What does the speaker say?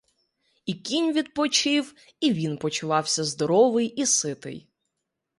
І кінь відпочив, і він почувався здоровий і ситий.